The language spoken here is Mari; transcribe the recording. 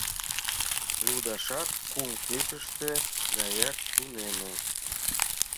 Лудашат кум кечыште гаяк тунеме.